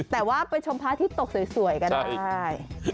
แต่ว่าไปชมพระอาทิตย์ตกสวยกันได้